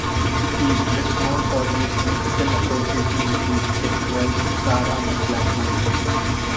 He is best known for his musical association with his ex-wife, Sarah McLachlan.